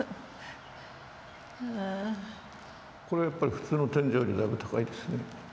これはやっぱり普通の天井よりだいぶ高いですね。